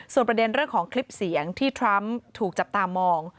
ส่วนประเด็นเรื่องของคลิปเสียงที่ทรัมป์ถูกจับตามอง